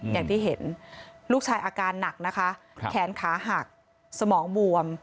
อย่างที่เห็นลูกชายอาการหนักนะคะแขนขาหักสมองบวม